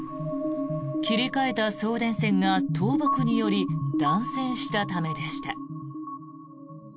切り替えた送電線が倒木により断線したためでした。